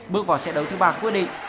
bước vào xếp đấu thứ ba quyết định